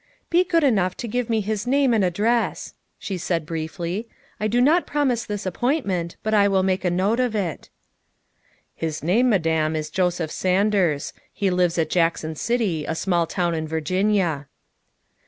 " Be good enough to give me his name and address," she said briefly. " I do not promise this appointment, but I will make a note of it." ' His name, Madame, is Joseph Sanders. He lives at Jackson City, a small town in Virginia."